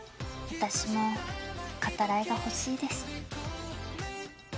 私もカタライが欲しいです。